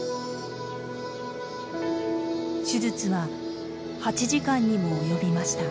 手術は８時間にも及びました。